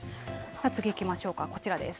次いきましょうか、こちらです。